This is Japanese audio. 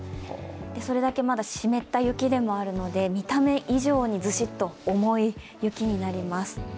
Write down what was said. それだけ湿った雪でもあるので見た目以上にずしっと重い雪になります。